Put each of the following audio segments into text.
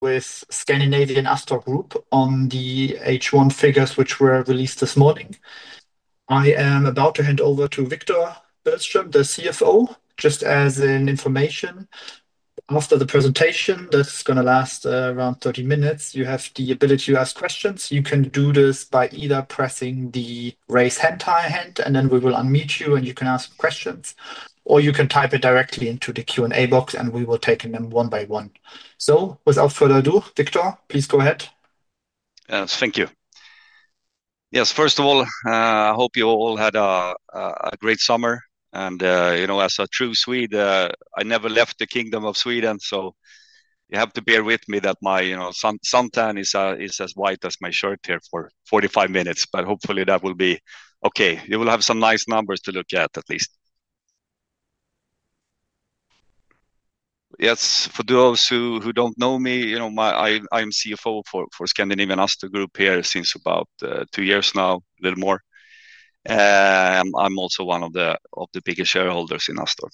With Scandinavian Astor Group on the H1 figures which were released this morning. I'm about to hand over to Wictor Billström, the CFO, just as an information. After the presentation, this is going to last around 30 minutes. You have the ability to ask questions. You can do this by either pressing the raise hand, and then we will unmute you and you can ask questions, or you can type it directly into the Q&A box, and we will take them one by one. Without further ado, Wictor, please go ahead. Thank you. Yes, first of all, I hope you all had a great summer. As a true Swede, I never left the kingdom of Sweden, so you have to bear with me that my sun tan is as white as my shirt here for 45 minutes, but hopefully that will be okay. You will have some nice numbers to look at at least. Yes, for those who don't know me, I am CFO for Scandinavian Astor Group here since about two years now, a little more. I'm also one of the biggest shareholders in Astor.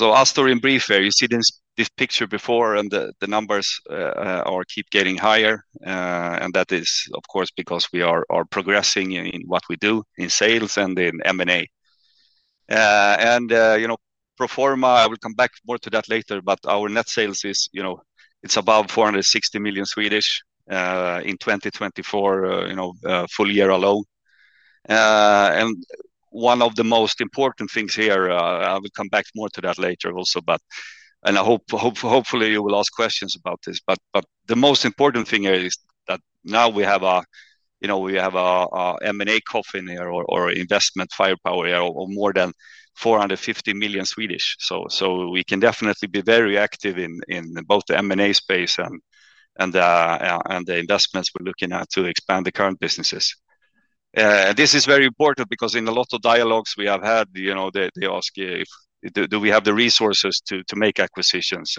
Astor in brief here, you see this picture before, and the numbers keep getting higher. That is, of course, because we are progressing in what we do in sales and in M&A. Pro forma, I will come back more to that later, but our net sales is about 460 million in 2024, full year alone. One of the most important things here, I will come back more to that later also, and I hope you will ask questions about this, but the most important thing here is that now we have an M&A coffin here or investment firepower here of more than 450 million. We can definitely be very active in both the M&A space and the investments we're looking at to expand the current businesses. This is very important because in a lot of dialogues we have had, they ask if we have the resources to make acquisitions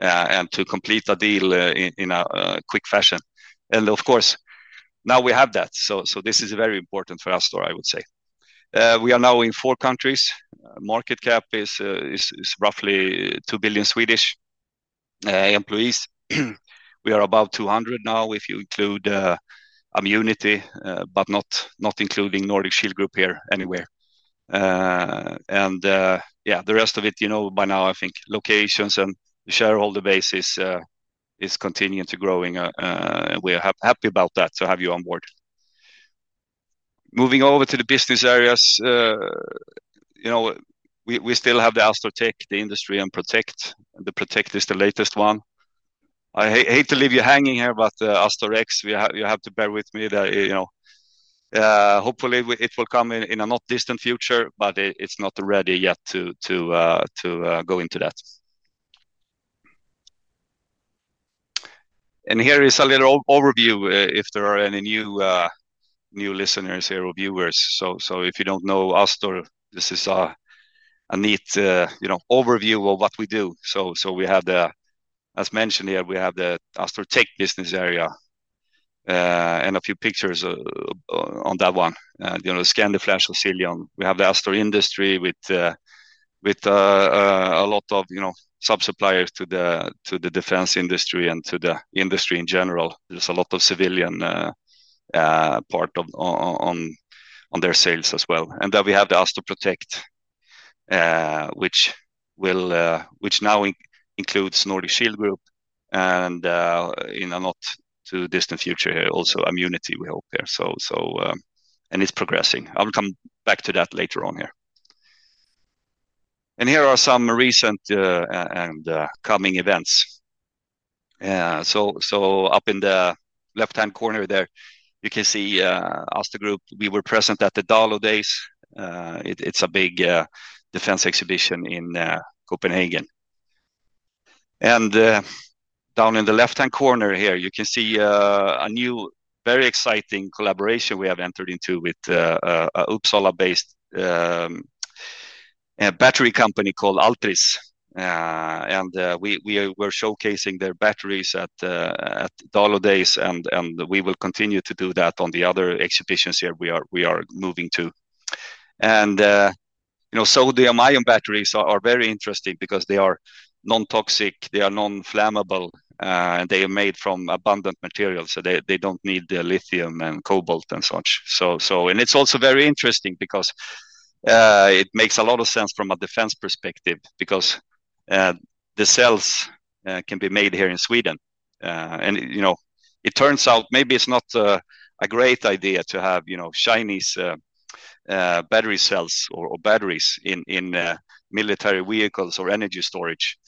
and to complete a deal in a quick fashion. Of course, now we have that. This is very important for Astor, I would say. We are now in four countries. Market cap is roughly 2 billion. Employees, we are about 200 now if you include Ammunity, but not including Nordic Shield Group here anywhere. The rest of it, by now I think locations and the shareholder base is continuing to grow, and we are happy about that to have you on board. Moving over to the business areas, we still have the Astor Tech, the Industry, and Protect. The Protect is the latest one. I hate to leave you hanging here, but Astor X, you have to bear with me that, hopefully it will come in a not distant future, but it's not ready yet to go into that. Here is a little overview if there are any new listeners here or viewers. If you don't know Astor, this is a neat overview of what we do. As mentioned here, we have the Astor Tech business area and a few pictures on that one. The ScandiFlash, Ocellium. We have the Astor Industry with a lot of, you know, subsuppliers to the defense industry and to the industry in general. There's a lot of civilian part on their sales as well. Then we have the Astor Protect, which now includes Nordic Shield Group and in a not too distant future here also Ammunity, we hope here. It's progressing. I'll come back to that later on here. Here are some recent and coming events. Up in the left-hand corner there, you can see Astor Group. We were present at the Dalo Days. It's a big defense exhibition in Copenhagen. Down in the left-hand corner here, you can see a new, very exciting collaboration we have entered into with an Uppsala-based battery company called Alpris. We were showcasing their batteries at Dalo Days, and we will continue to do that on the other exhibitions here we are moving to. You know, the sodium-ion batteries are very interesting because they are non-toxic, they are non-flammable, and they are made from abundant materials, so they don't need lithium and cobalt and such. It's also very interesting because it makes a lot of sense from a defense perspective because the cells can be made here in Sweden. It turns out maybe it's not a great idea to have, you know, Chinese battery cells or batteries in military vehicles or energy storage.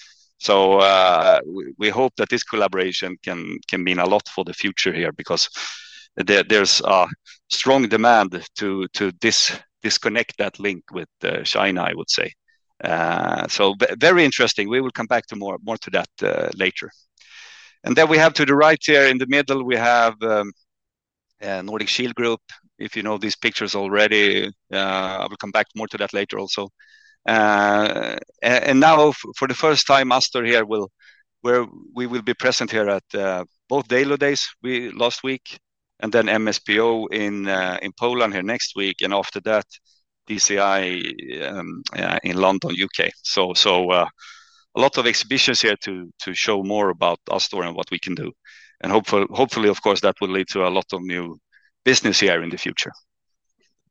We hope that this collaboration can mean a lot for the future here because there's a strong demand to disconnect that link with China, I would say. Very interesting. We will come back to more to that later. Then we have to the right here in the middle, we have Nordic Shield Group. If you know these pictures already, I will come back more to that later also. Now for the first time, Astor here will, we will be present here at both Dalo Days last week and then MSPO in Poland here next week and after that DCI in London, UK. A lot of exhibitions here to show more about Astor and what we can do. Hopefully, of course, that will lead to a lot of new business here in the future.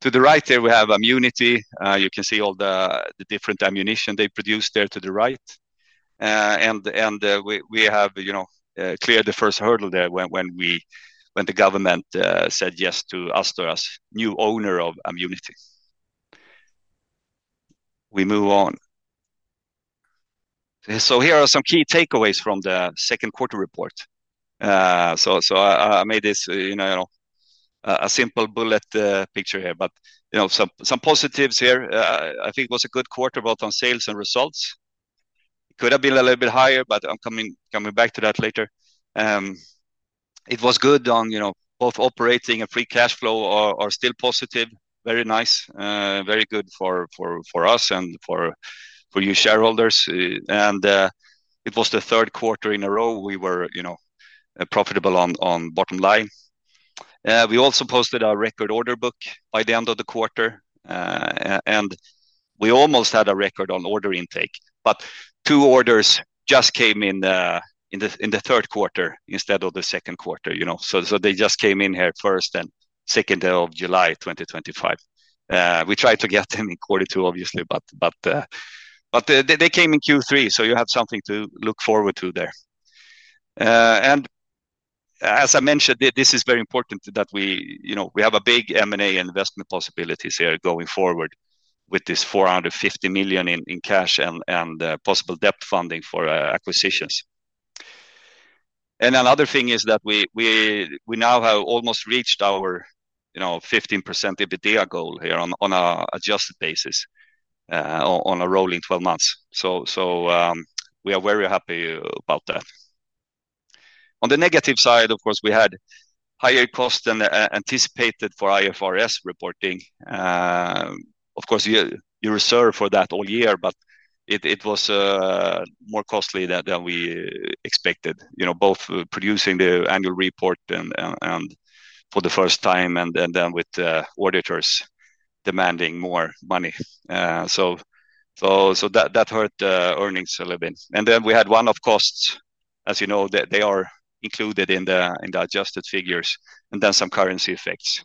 To the right there, we have Ammunity. You can see all the different ammunition they produce there to the right. We have, you know, cleared the first hurdle there when the government said yes to Astor as new owner of Ammunity. We move on. Here are some key takeaways from the second quarter report. I made this, you know, a simple bullet picture here, but you know, some positives here. I think it was a good quarter both on sales and results. Could have been a little bit higher, but I'm coming back to that later. It was good on, you know, both operating and free cash flow are still positive. Very nice. Very good for us and for you shareholders. It was the third quarter in a row we were, you know, profitable on bottom line. We also posted our record order book by the end of the quarter. We almost had a record on order intake, but two orders just came in in the third quarter instead of the second quarter, you know. They just came in here first and second of July 2025. We tried to get them in quarter two, obviously, but they came in Q3, so you have something to look forward to there. As I mentioned, this is very important that we, you know, we have a big M&A investment possibilities here going forward with this 450 million in cash and possible debt funding for acquisitions. Another thing is that we now have almost reached our, you know, 15% EBITDA goal here on an adjusted basis on a rolling 12 months. We are very happy about that. On the negative side, of course, we had higher costs than anticipated for IFRS reporting. Of course, you reserve for that all year, but it was more costly than we expected, you know, both producing the annual report and for the first time and then with auditors demanding more money. That hurt earnings a little bit. We had one-off costs, as you know, they are included in the adjusted figures and then some currency effects.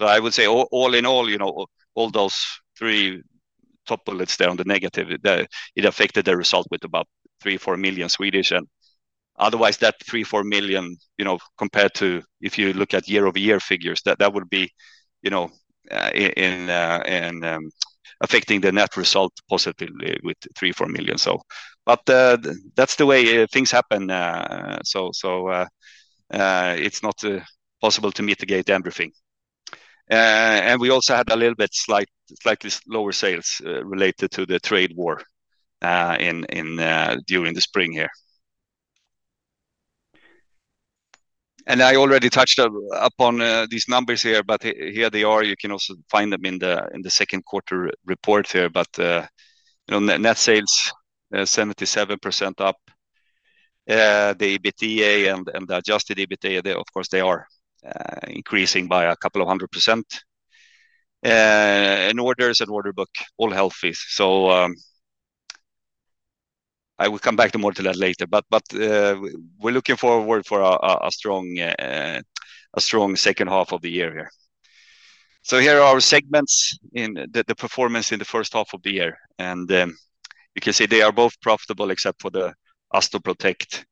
I would say all in all, you know, all those three top bullets there on the negative, it affected the result with about 3-4 million. Otherwise, that 3-4 million, you know, compared to if you look at year-over-year figures, that would be, you know, affecting the net result positively with 3-4 million. That's the way things happen. It's not possible to mitigate everything. We also had a little bit slightly lower sales related to the trade war during the spring here. I already touched upon these numbers here, but here they are. You can also find them in the second quarter report here. Net sales 77% up. The EBITDA and the adjusted EBITDA, of course, they are increasing by a couple of hundred percent. Orders and order book all healthy. I will come back to more to that later. We're looking forward to a strong second half of the year here. Here are our segments in the performance in the first half of the year. You can see they are both profitable except for Astor Protect.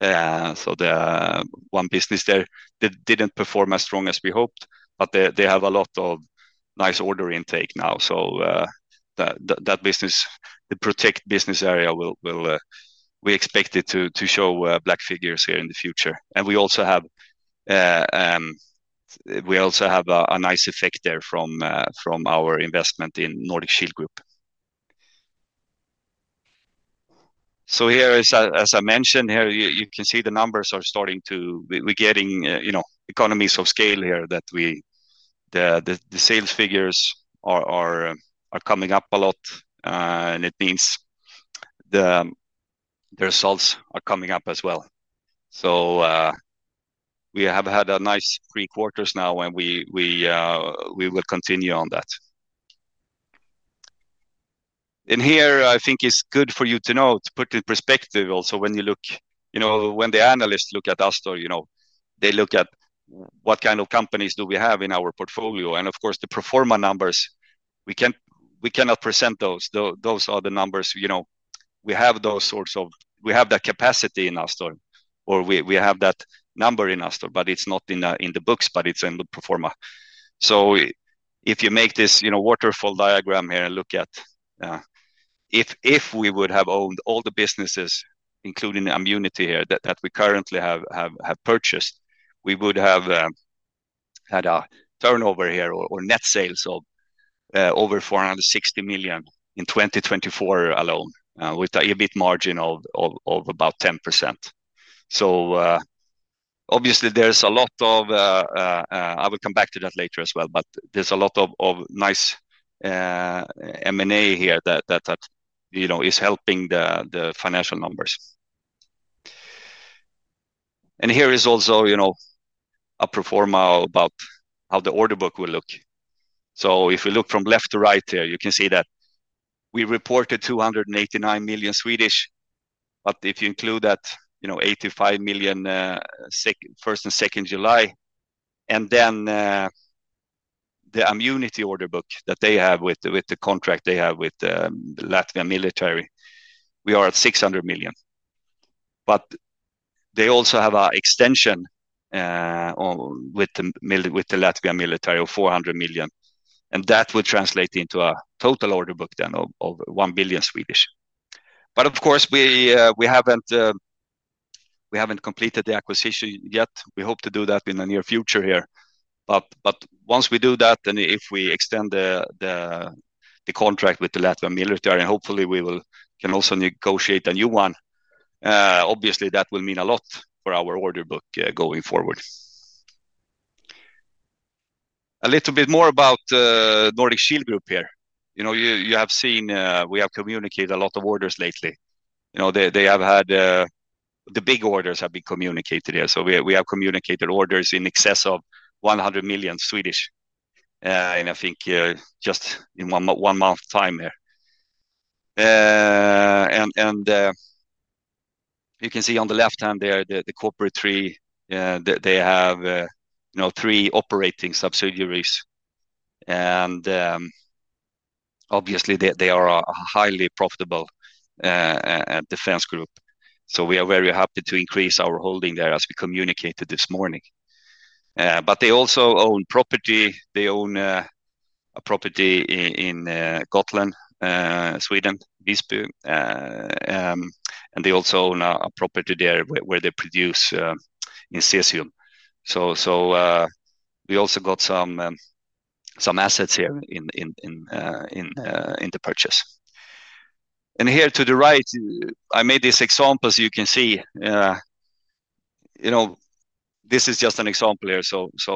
The one business there didn't perform as strong as we hoped, but they have a lot of nice order intake now. That business, the Protect business area, we expect it to show black figures here in the future. We also have a nice effect there from our investment in Nordic Shield Group. As I mentioned, you can see the numbers are starting to, we're getting economies of scale here, the sales figures are coming up a lot. It means the results are coming up as well. We have had a nice three quarters now and we will continue on that. I think it's good for you to know, to put in perspective also when you look, when the analysts look at Astor, they look at what kind of companies do we have in our portfolio. Of course, the pro forma numbers, we cannot present those. Those are the numbers, we have that capacity in Astor or we have that number in Astor, but it's not in the books, but it's in the pro forma. If you make this waterfall diagram here and look at, if we would have owned all the businesses, including Ammunity here that we currently have purchased, we would have had a turnover or net sales of over 460 million in 2024 alone, with an EBIT margin of about 10%. Obviously, there's a lot of, I will come back to that later as well, but there's a lot of nice M&A here that is helping the financial numbers. Here is also a pro forma about how the order book will look. If we look from left to right, you can see that we reported 289 million, but if you include that 85 million SEK first and second July, and then the Ammunity order book that they have with the contract they have with the Latvian military, we are at 600 million. They also have an extension with the Latvian military of 400 million. That would translate into a total order book then of 1 billion. Of course, we haven't completed the acquisition yet. We hope to do that in the near future. Once we do that and if we extend the contract with the Latvian military and hopefully we can also negotiate a new one, obviously that will mean a lot for our order book going forward. A little bit more about Nordic Shield Group here. You have seen we have communicated a lot of orders lately. They have had the big orders communicated here. We have communicated orders in excess of 100 million, and I think just in one month's time here. You can see on the left hand there, the corporate tree, they have three operating subsidiaries. Obviously, they are a highly profitable defense group. We are very happy to increase our holding there as we communicated this morning. They also own property. They own a property in Gotland, Sweden, Visby. They also own a property there where they produce in Cesium. We also got some assets here in the purchase. Here to the right, I made these examples. You can see this is just an example here.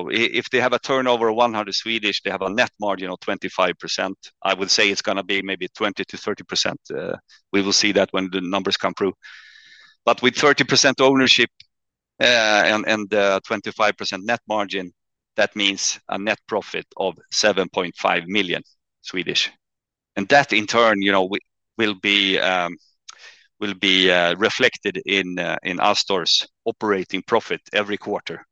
If they have a turnover of 100 million, they have a net margin of 25%. I would say it's going to be maybe 20%-30%. We will see that when the numbers come through. With 30% ownership and 25% net margin, that means a net profit of 7.5 million. That in turn will be reflected in Astor's operating profit every quarter.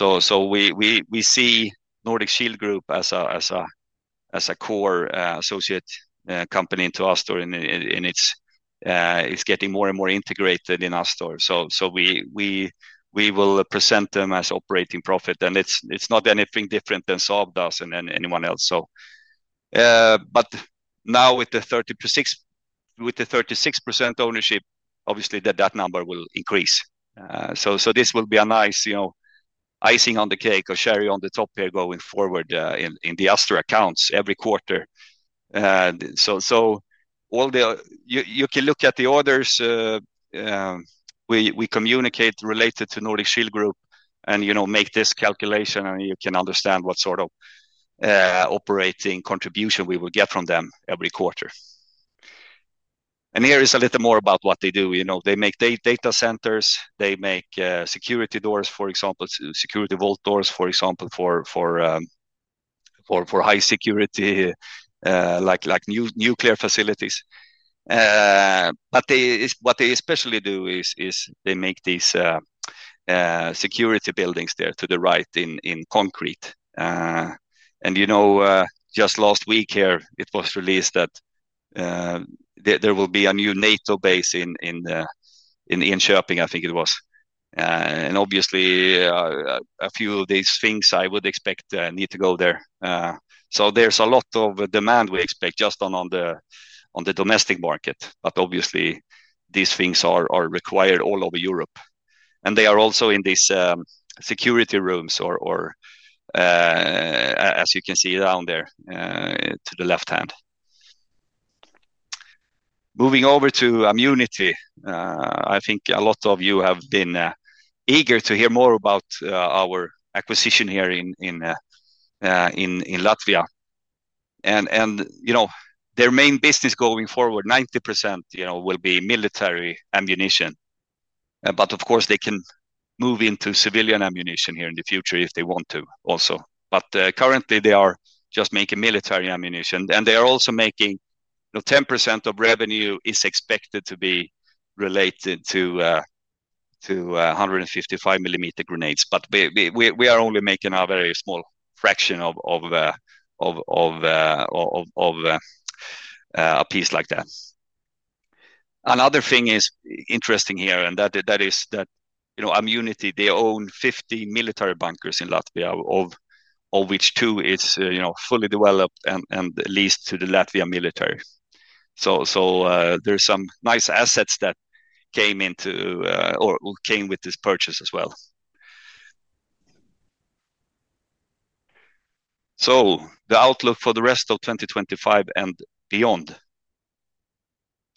We see Nordic Shield Group as a core associate company to Astor and it's getting more and more integrated in Astor. We will present them as operating profit and it's not anything different than Saab does or anyone else. Now with the 36% ownership, obviously that number will increase. This will be a nice icing on the cake or cherry on the top here going forward in the Astor accounts every quarter. All the, you can look at the orders we communicate related to Nordic Shield Group and make this calculation and you can understand what sort of operating contribution we will get from them every quarter. Here is a little more about what they do. They make data centers, they make security doors, for example, security vault doors for high security like nuclear facilities. What they especially do is they make these security buildings there to the right in concrete. Just last week it was released that there will be a new NATO base in Enköping, I think it was. Obviously, a few of these things I would expect need to go there. There is a lot of demand we expect just on the domestic market, but these things are required all over Europe. They are also in these security rooms or, as you can see down there to the left hand. Moving over to Ammunity, I think a lot of you have been eager to hear more about our acquisition here in Latvia. Their main business going forward, 90%, will be military ammunition. Of course, they can move into civilian ammunition here in the future if they want to also. Currently, they are just making military ammunition. They are also making, 10% of revenue is expected to be related to 155 millimeter grenades. We are only making a very small fraction of a piece like that. Another thing is interesting here, and that is that Ammunity, they own 50 military bunkers in Latvia, of which two are fully developed and leased to the Latvian military. There are some nice assets that came into or came with this purchase as well. The outlook for the rest of 2025 and beyond,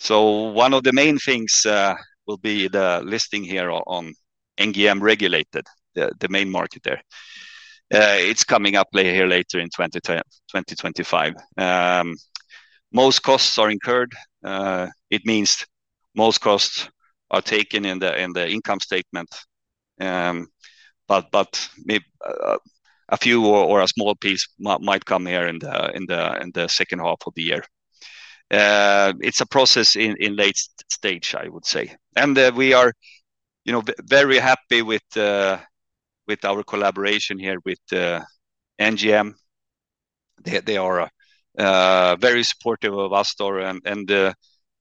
one of the main things will be the listing here on NGM regulated, the main market there. It's coming up here later in 2025. Most costs are incurred. It means most costs are taken in the income statement. A few or a small piece might come here in the second half of the year. It's a process in late stage, I would say. We are very happy with our collaboration here with NGM. They are very supportive of Astor.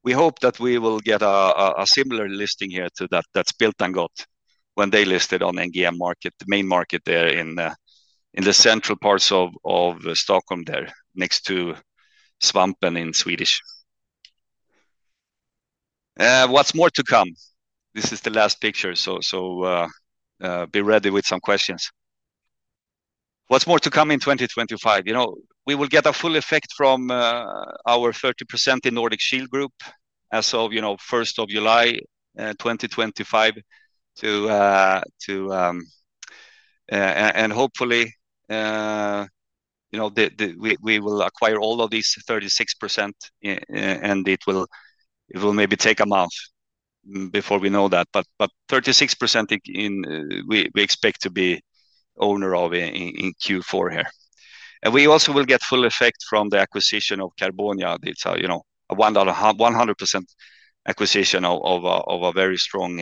We hope that we will get a similar listing here to that that Spiltan got when they listed on NGM market, the main market there in the central parts of Stockholm, next to Svampen in Swedish. What's more to come? This is the last picture. Be ready with some questions. What's more to come in 2025? We will get a full effect from our 30% in Nordic Shield Group as of 1st of July 2025. Hopefully, we will acquire all of these 36%. It will maybe take a month before we know that. 36% in we expect to be owner of in Q4 here. We also will get full effect from the acquisition of Carbonia. It's a 100% acquisition of a very strong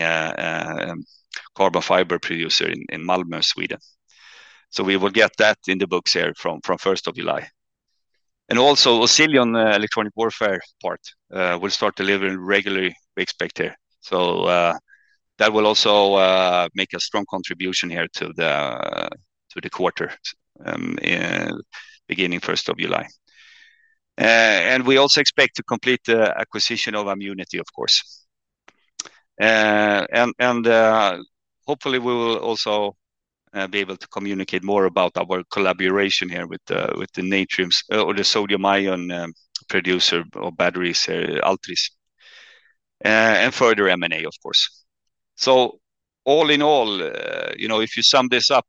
carbon fiber producer in Malmö, Sweden. We will get that in the books here from 1st of July. Also, Ocellium Electronic Warfare part will start delivering regularly, we expect here. That will also make a strong contribution here to the quarter beginning 1st of July. We also expect to complete the acquisition of Ammunity, of course. Hopefully, we will also be able to communicate more about our collaboration here with the sodium-ion producer of batteries, Alpris, and further M&A, of course. All in all, if you sum this up,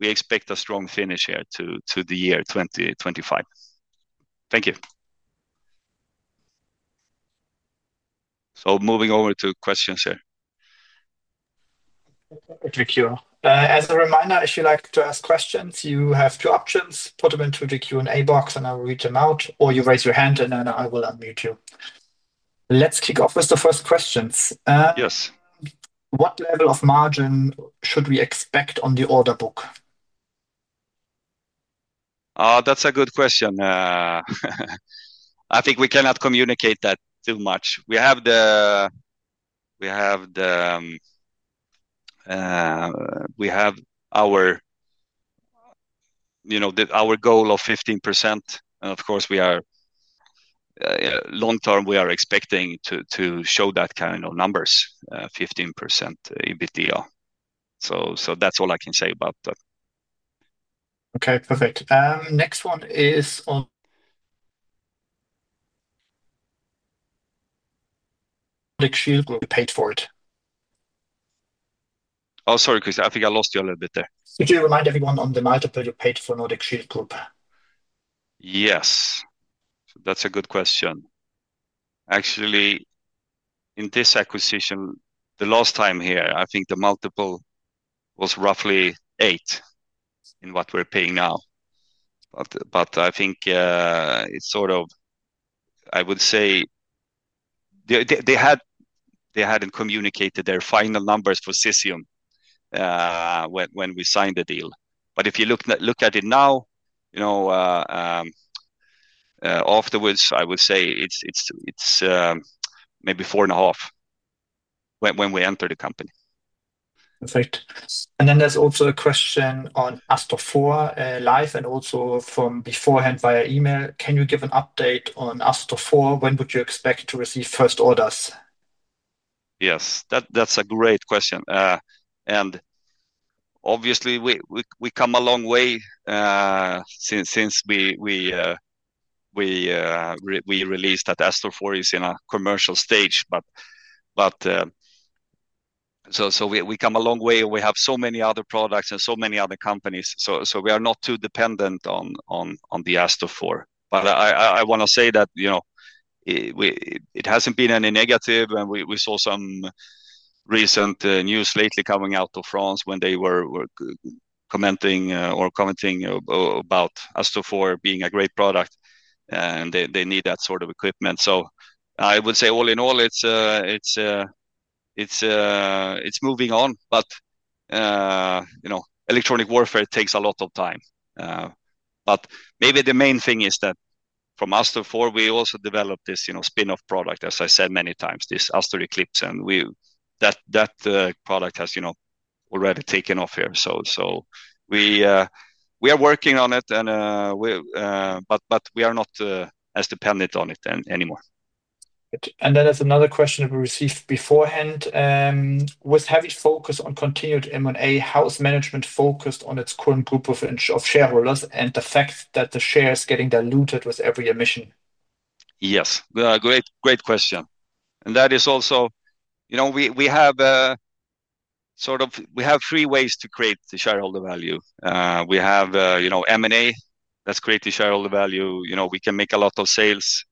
we expect a strong finish here to the year 2025. Thank you. Moving over to questions here. Thank you. As a reminder, if you'd like to ask questions, you have two options. Put them into the Q&A box and I'll read them out, or you raise your hand and then I will unmute you. Let's kick off with the first questions. Yes. What level of margin should we expect on the order book? That's a good question. I think we cannot communicate that too much. We have our goal of 15%. Of course, we are long-term, we are expecting to show that kind of numbers, 15% EBITDA. That's all I can say about that. Okay, perfect. Next one is on Nordic Shield Group, paid for it. Oh, sorry, Chris, I think I lost you a little bit there. Could you remind everyone on the multiple you paid for Nordic Shield Group? Yes, that's a good question. Actually, in this acquisition, the last time here, I think the multiple was roughly 8 in what we're paying now. I think it's sort of, I would say, they hadn't communicated their final numbers for Cesium when we signed the deal. If you look at it now, you know, afterwards, I would say it's maybe 4.5 when we entered the company. Perfect. There's also a question on Astor IV live and also from beforehand via email. Can you give an update on Astor IV? When would you expect to receive first orders? Yes, that's a great question. Obviously, we come a long way since we released that Astor IV is in a commercial stage. We come a long way and we have so many other products and so many other companies. We are not too dependent on the Astor IV. I want to say that it hasn't been any negative. We saw some recent news lately coming out of France when they were commenting about Astor IV being a great product. They need that sort of equipment. I would say all in all, it's moving on. Electronic warfare takes a lot of time. Maybe the main thing is that from Astor IV, we also developed this spin-off product, as I said many times, this Astor Eclipse. That product has already taken off here. We are working on it, and we are not as dependent on it anymore. There is another question that we received beforehand. With heavy focus on continued M&A, how is management focused on its current group of shareholders and the fact that the share is getting diluted with every emission? Yes, great question. That is also, you know, we have sort of, we have three ways to create the shareholder value. We have, you know, M&A that's creating shareholder value. We can make a lot of sales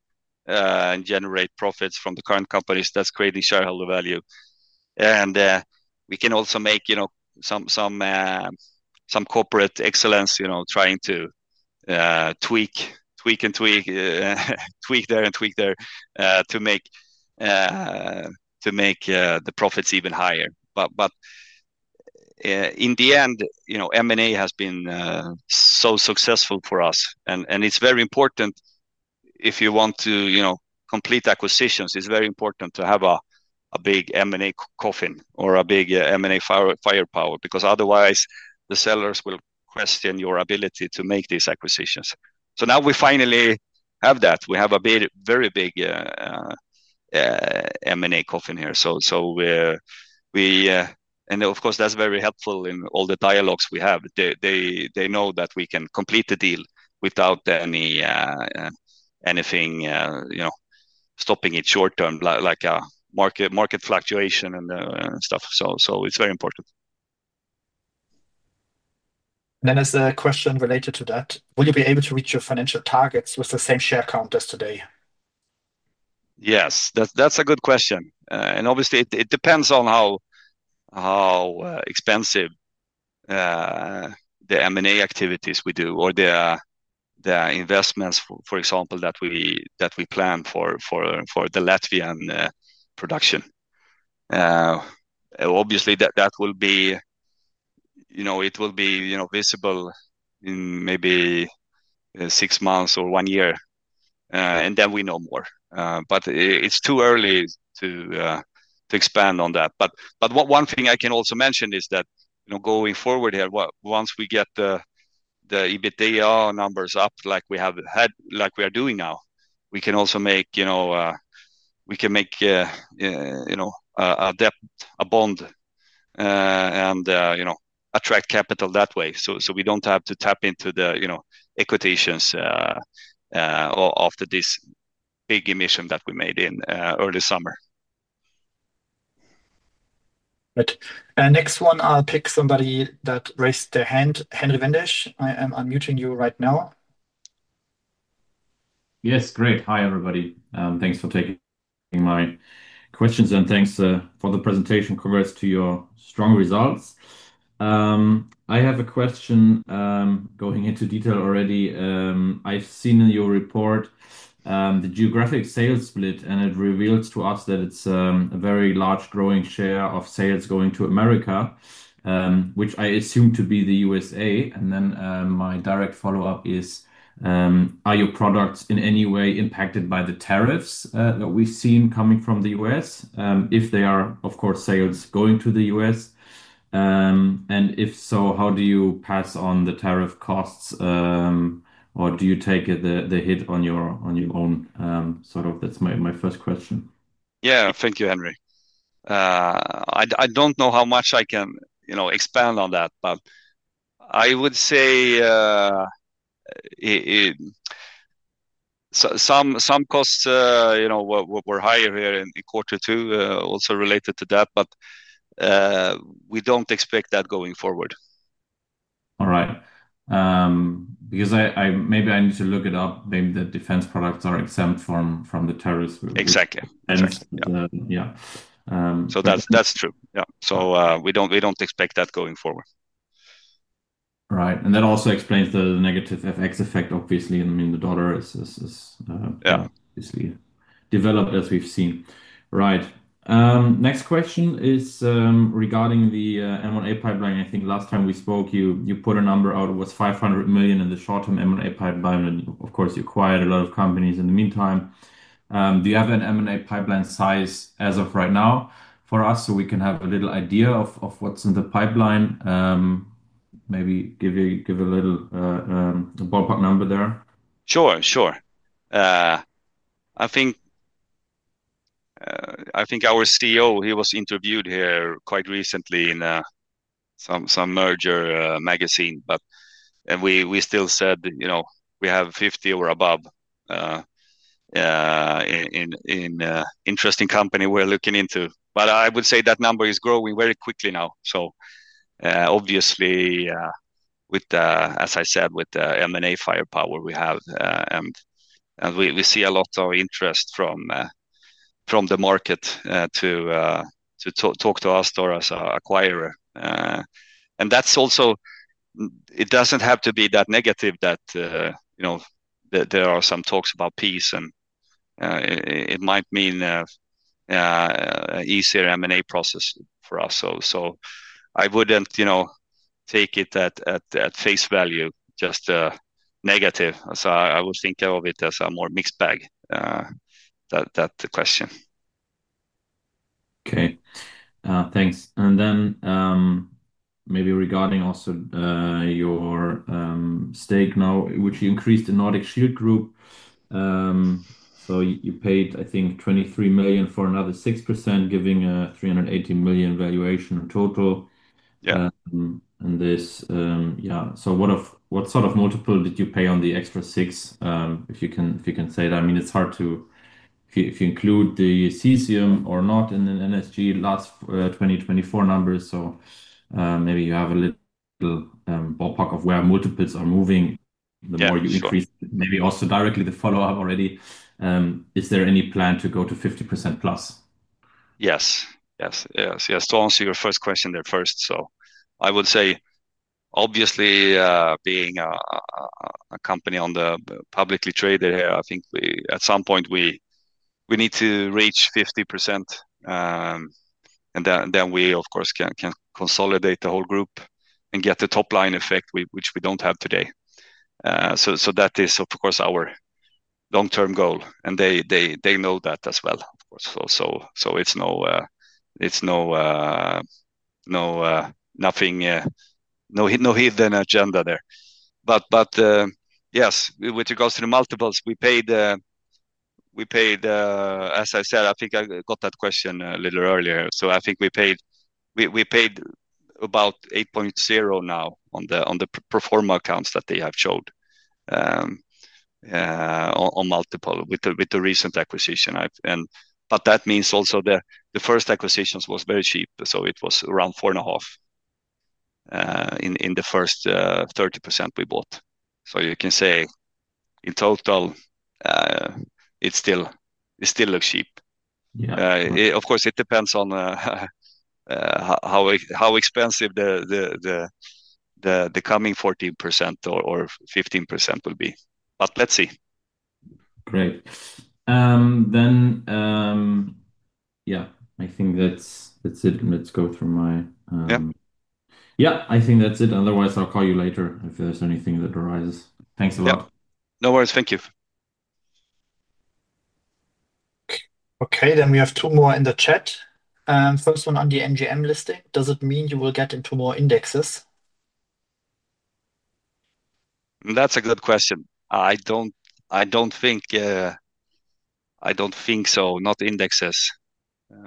and generate profits from the current companies that's creating shareholder value. We can also make, you know, some corporate excellence, you know, trying to tweak and tweak there and tweak there to make the profits even higher. In the end, you know, M&A has been so successful for us. It's very important if you want to, you know, complete acquisitions, it's very important to have a big M&A coffin or a big M&A firepower because otherwise the sellers will question your ability to make these acquisitions. Now we finally have that. We have a very big M&A coffin here. Of course, that's very helpful in all the dialogues we have. They know that we can complete the deal without anything, you know, stopping it short term, like a market fluctuation and stuff. It's very important. There's a question related to that. Will you be able to reach your financial targets with the same share count as today? Yes, that's a good question. Obviously, it depends on how expensive the M&A activities we do or the investments, for example, that we plan for the Latvian production. That will be visible in maybe six months or one year, and then we know more. It's too early to expand on that. One thing I can also mention is that, going forward here, once we get the EBITDA numbers up, like we have had, like we are doing now, we can also make a debt, a bond, and attract capital that way. We don't have to tap into the equity after this big emission that we made in early summer. Next, I'll take somebody that raised their hand. Henry Vindesh, I am unmuting you right now. Yes, great. Hi everybody. Thanks for taking my questions and thanks for the presentation. Congrats to your strong results. I have a question going into detail already. I've seen in your report the geographic sales split, and it reveals to us that it's a very large growing share of sales going to America, which I assume to be the U.S. My direct follow-up is, are your products in any way impacted by the tariff impacts that we've seen coming from the U.S.? If they are, of course, sales going to the U.S. If so, how do you pass on the tariff costs, or do you take the hit on your own? That's my first question. Thank you, Henry. I don't know how much I can expand on that, but I would say some costs were higher here in quarter two, also related to that, but we don't expect that going forward. All right. Maybe I need to look it up. Maybe the defense products are exempt from the tariffs. Exactly. That's true. We don't expect that going forward. Right. That also explains the negative FX effect, obviously. I mean, the dollar has developed, as we've seen. Next question is regarding the M&A pipeline. I think last time we spoke, you put a number out of 500 million in the short-term M&A pipeline, and of course, you acquired a lot of companies in the meantime. Do you have an M&A pipeline size as of right now for us so we can have a little idea of what's in the pipeline? Maybe give a little ballpark number there. I think our CEO, he was interviewed here quite recently in some merger magazine, but we still said, you know, we have 50 or above in an interesting company we're looking into. I would say that number is growing very quickly now. Obviously, as I said, with the M&A firepower we have, we see a lot of interest from the market to talk to us as an acquirer. It doesn't have to be that negative that, you know, there are some talks about peace, and it might mean an easier M&A process for us. I wouldn't take it at face value, just a negative. I would think of it as a more mixed bag, that question. Okay. Thanks. Maybe regarding also your stake now, which you increased in Nordic Shield Group. You paid, I think, 23 million for another 6%, giving a 318 million valuation in total. Yeah. What sort of multiple did you pay on the extra 6? If you can say that, I mean, it's hard to, if you include the Cesium or not in the NSG last 2024 numbers. Maybe you have a little ballpark of where multiples are moving. The more you increase, maybe also directly the follow-up already. Is there any plan to go to 50%+? Yes, yes, yes. Yes. To answer your first question there first, I would say obviously being a company on the publicly traded here, I think at some point we need to reach 50%. We, of course, can consolidate the whole group and get the top line effect, which we don't have today. That is, of course, our long-term goal. They know that as well. It's no, nothing, no hidden agenda there. Yes, with regards to the multiples, we paid, as I said, I think I got that question a little earlier. I think we paid about 8.0 now on the pro forma accounts that they have showed on multiple with the recent acquisition. That means also that the first acquisition was very cheap. It was around 4.5 in the first 30% we bought. You can say in total, it's still cheap. Of course, it depends on how expensive the coming 14% or 15% will be. Let's see. Great. I think that's it. Let's go through my. Yeah. I think that's it. Otherwise, I'll call you later if there's anything that arises. Thanks a lot. No worries. Thank you. Okay, then we have two more in the chat. First one on the NGM listing. Does it mean you will get into more indexes? That's a good question. I don't think so, not indexes.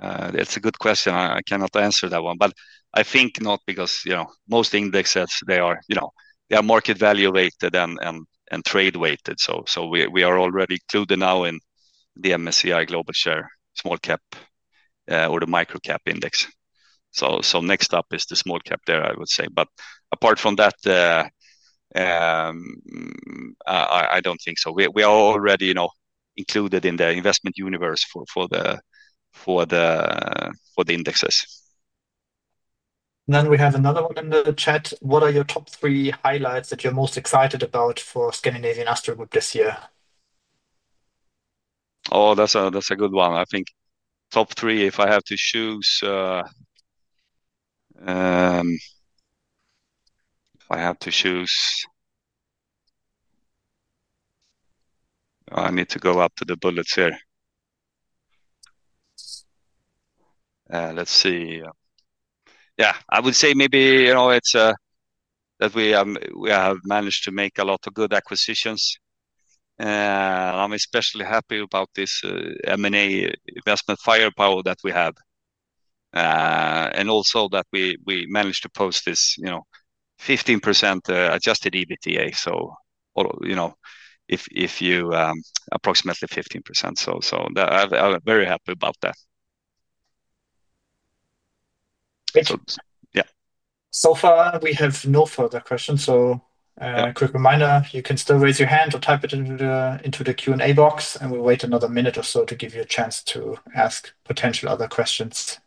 It's a good question. I cannot answer that one. I think not because, you know, most indexes are market value rated and trade weighted. We are already included now in the MSCI Global Share Small Cap or the Micro Cap Index. Next up is the Small Cap there, I would say. Apart from that, I don't think so. We are already included in the investment universe for the indexes. What are your top three highlights that you're most excited about for Scandinavian Astor Group this year? Oh, that's a good one. I think top three, if I have to choose, I need to go up to the bullets here. Let's see. Yeah, I would say maybe, you know, it's that we have managed to make a lot of good acquisitions. I'm especially happy about this M&A investment firepower that we have. Also, that we managed to post this, you know, 15% adjusted EBITDA. You know, approximately 15%. I'm very happy about that. So far we have no further questions. A quick reminder, you can still raise your hand or type it into the Q&A box, and we'll wait another minute or so to give you a chance to ask potential other questions.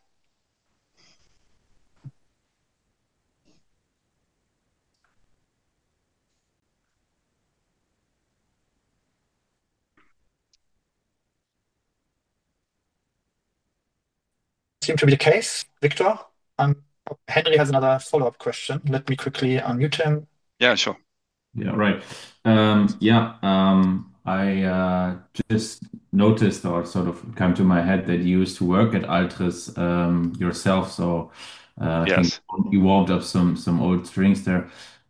Seems to be the case, Wictor. Henry has another follow-up question. Let me quickly unmute him. Yeah, sure. I just noticed or sort of come to my head that you used to work at Alpris yourself. I think you warmed up some old strings there.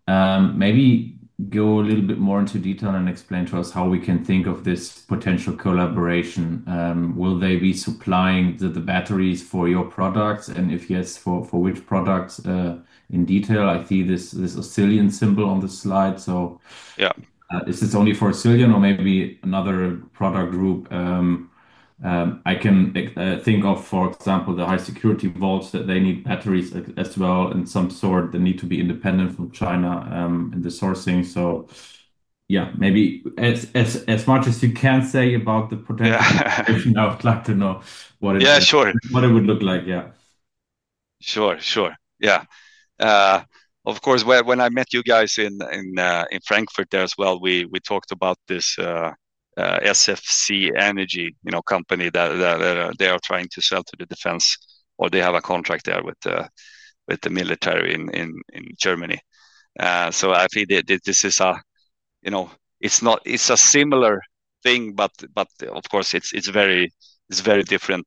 Maybe go a little bit more into detail and explain to us how we can think of this potential collaboration. Will they be supplying the batteries for your products? If yes, for which products? In detail, I see this Ocellium symbol on the slide. Is this only for Ocellium or maybe another product group? I can think of, for example, the high security vaults that need batteries as well and some that need to be independent from China in the sourcing. Maybe as much as you can say about the potential, I would like to know what it would look like. Yeah, sure. Of course, when I met you guys in Frankfurt there as well, we talked about this SFC Energy company that they are trying to sell to the defense, or they have a contract there with the military in Germany. I think this is a, you know, it's not, it's a similar thing, but of course it's very different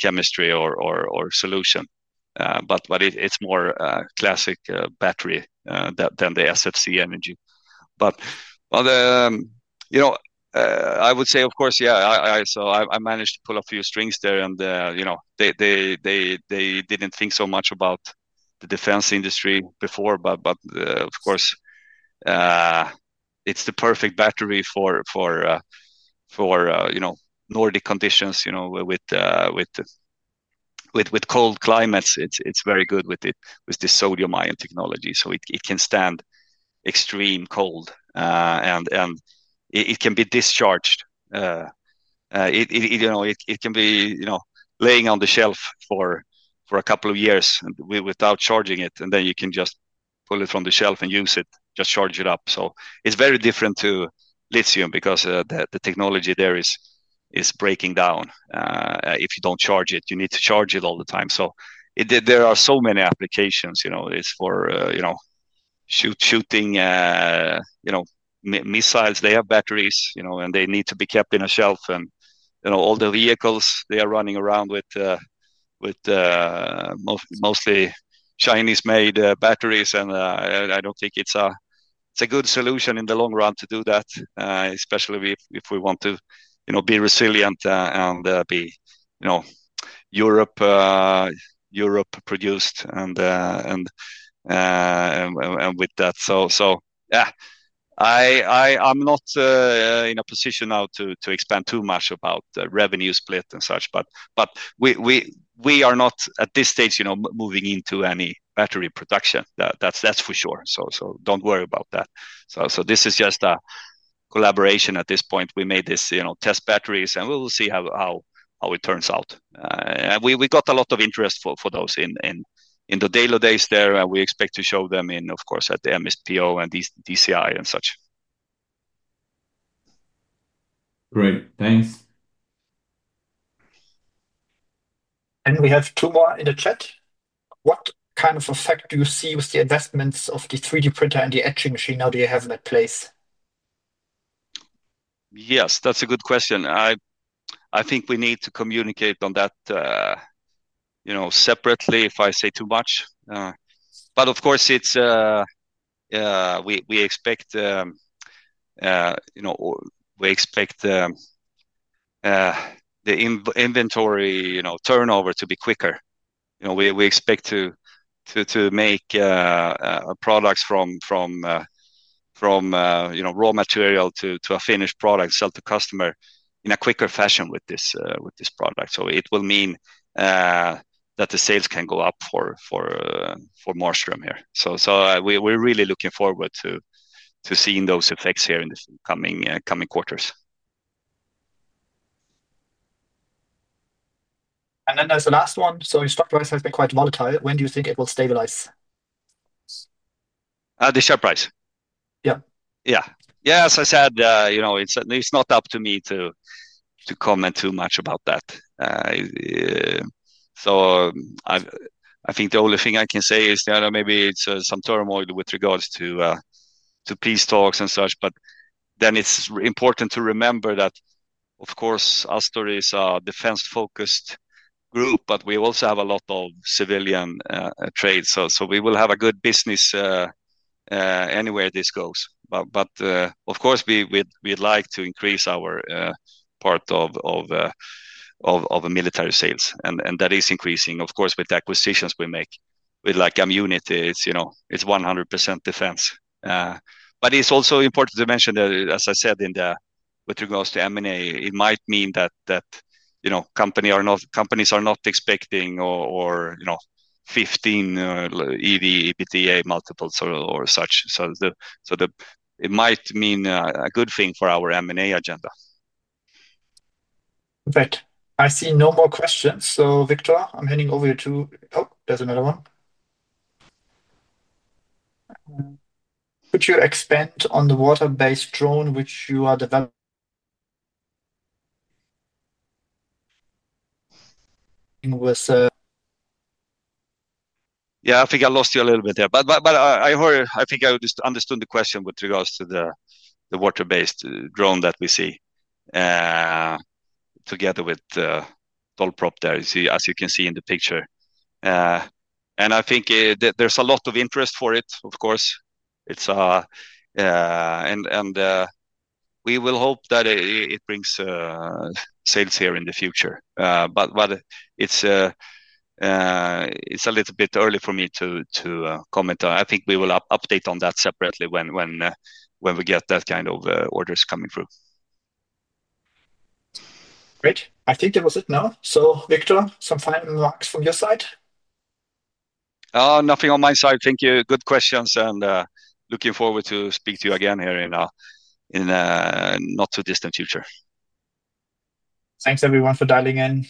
chemistry or solution. It's more classic battery than the SFC Energy. I would say, of course, yeah, I managed to pull a few strings there, and they didn't think so much about the defense industry before. Of course, it's the perfect battery for Nordic conditions, with cold climates. It's very good with the sodium-ion technology. It can stand extreme cold, and it can be discharged. It can be laying on the shelf for a couple of years without charging it, and then you can just pull it from the shelf and use it, just charge it up. It's very different to lithium because the technology there is breaking down. If you don't charge it, you need to charge it all the time. There are so many applications, it's for shooting, missiles. They have batteries, and they need to be kept in a shelf. All the vehicles they are running around with, with mostly Chinese-made batteries, and I don't think it's a good solution in the long run to do that, especially if we want to be resilient and be Europe-produced with that. I'm not in a position now to expand too much about the revenue split and such, but we are not at this stage moving into any battery production. That's for sure. Don't worry about that. This is just a collaboration at this point. We made these test batteries, and we'll see how it turns out. We got a lot of interest for those in the Daily Days there, and we expect to show them in, of course, at the MSPO and DCI and such. Great. Thanks. We have two more in the chat. What kind of effect do you see with the adjustments of the 3D printer and the etching machine now that you have in that place? Yes, that's a good question. I think we need to communicate on that separately if I say too much. Of course, we expect the inventory turnover to be quicker. We expect to make products from raw material to a finished product sell to customer in a quicker fashion with this product. It will mean that the sales can go up for Marstrum here. We're really looking forward to seeing those effects here in the coming quarters. The last one is the stock price has been quite volatile. When do you think it will stabilize? The share price? Yeah. Yeah. As I said, you know, it's not up to me to comment too much about that. I think the only thing I can say is, you know, maybe it's some turmoil with regards to peace talks and such. It's important to remember that, of course, Astor is a defense-focused group, but we also have a lot of civilian trade. We will have a good business anywhere this goes. Of course, we'd like to increase our part of military sales. That is increasing, of course, with the acquisitions we make. With Ammunity, it's, you know, it's 100% defense. It's also important to mention that, as I said, with regards to M&A, it might mean that, you know, companies are not expecting or, you know, 15x EBITDA multiples or such. It might mean a good thing for our M&A agenda. I see no more questions. Victor, I'm handing over to—oh, there's another one. Could you expand on the water-based drone, which you are developing? I think I lost you a little bit there. I heard, I think I understood the question with regards to the water-based drone that we see together with the toll prop there, as you can see in the picture. I think there's a lot of interest for it, of course. We hope that it brings sales here in the future. It's a little bit early for me to comment on. I think we will update on that separately when we get that kind of orders coming through. Great. I think that was it now. Victor, some final remarks from your side? Nothing on my side. Thank you. Good questions. Looking forward to speaking to you again here in the not-too-distant future. Thanks, everyone, for dialing in.